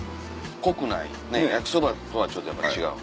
濃くない焼きそばとはやっぱ違う。